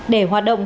để hoạt động